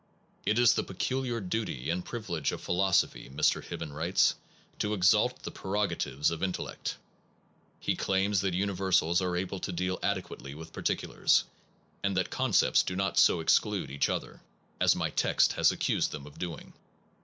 It is the peculiar duty and privilege of philosophy, Mr. Hibben writes, to exalt the prerogatives of intellect. He claims that universals are able to deal adequately with particulars, and that con cepts do not so exclude each other, as my text has accused them of doing.